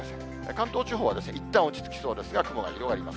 関東地方はいったん落ち着きそうですが、雲が広がります。